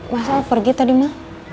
masal pergi tadi ma